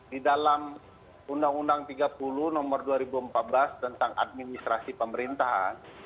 di dalam undang undang tiga puluh nomor dua ribu empat belas tentang administrasi pemerintahan